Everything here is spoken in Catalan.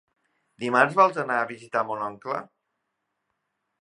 Dimarts vol anar a visitar mon oncle.